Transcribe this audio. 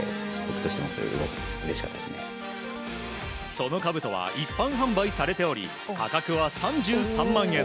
そのかぶとは一般販売されており価格は３３万円。